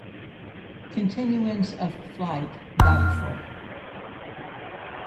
Continuance of flight doubtful.